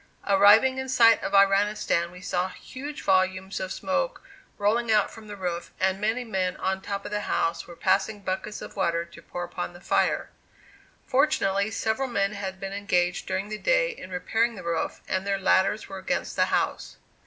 Arriving in sight of Iranistan we saw huge volumes of smoke rolling out from the roof and many men on the top of the house were passing buckets of water to pour [Illustration: MOUNTAIN GROVE CEMETERY.] upon the fire. Fortunately, several men had been engaged during the day in repairing the roof, and their ladders were against the house.